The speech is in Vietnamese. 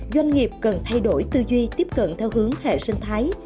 doanh nghiệp cần thay đổi tư duy tiếp cận theo hướng hệ sinh thái